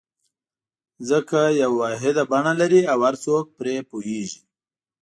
ځکه یوه واحده بڼه لري او هر څوک پرې پوهېږي.